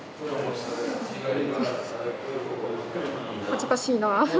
恥ずかしいなあ。